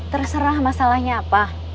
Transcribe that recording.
terserah masalahnya apa